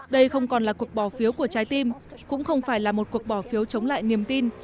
đây không còn là cuộc bỏ phiếu của trái tim cũng không phải là một cuộc bỏ phiếu chống lại niềm tin